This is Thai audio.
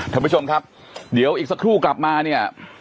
ท่านผู้ชมครับเดี๋ยวอีกสักครู่กลับมาเนี่ย